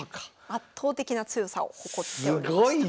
圧倒的な強さを誇っておりました。